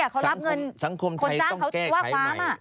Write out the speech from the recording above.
เขารับเงินคนจ้างเขาว่าความ